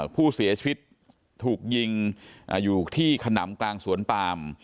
ผู้เสียชีวิตถูกยิงอยู่ที่ขนำกลางสวนปาม